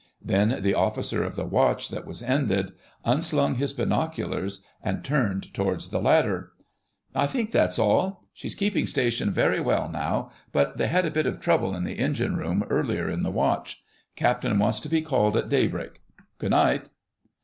Then the Officer of the Watch that was ended unslung his binoculars and turned towards the ladder. "I think that's all.... She's keeping station very well now, but they had a bit of trouble in the Engine room earlier in the Watch. Captain wants to be called at daybreak. Good night."